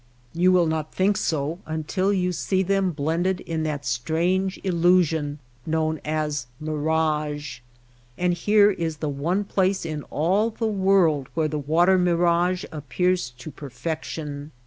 You will not think so until you see them blended in that strange illusion known as mirage. And here is the one place in all the world where the water mirage appears to per fection.